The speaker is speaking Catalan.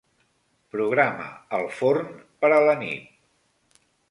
Programa el forn per a la nit.